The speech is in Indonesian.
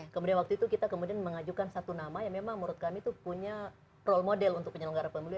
kemudian waktu itu kita kemudian mengajukan satu nama yang memang menurut kami itu punya role model untuk penyelenggara pemilu